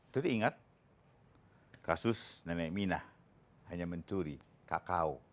jadi ingat kasus nenek mina hanya mencuri kakao